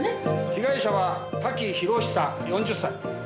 被害者は瀧博久４０歳。